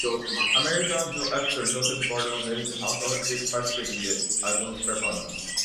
American actor Joseph Gordon-Levitt also participated in the album's performance.